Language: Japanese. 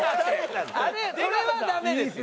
それはダメですよ。